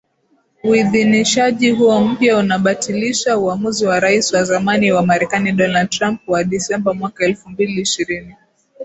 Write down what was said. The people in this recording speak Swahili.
Uidhinishaji huo mpya unabatilisha uamuzi wa Rais wa zamani wa Marekani Donald Trump wa Disemba mwaka elfu mbili ishirini